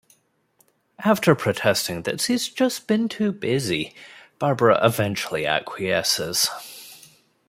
After protesting that she's just been too busy, Barbara eventually acquieces.